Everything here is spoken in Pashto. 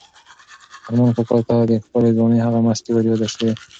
ارمان کاکا ته د خپلې ځوانۍ هغه مستۍ وریادې شوې.